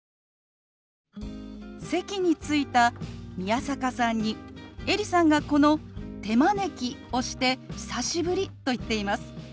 席に着いた宮坂さんにエリさんがこの「手招き」をして「久しぶり」と言っています。